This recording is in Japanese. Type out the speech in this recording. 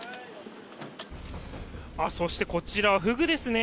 そして、こちらはフグですね。